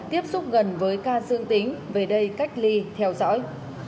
tiếp xúc gần với ca dương tính về đây cách ly theo dõi